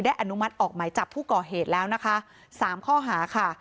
อนุมัติออกหมายจับผู้ก่อเหตุแล้วนะคะสามข้อหาค่ะ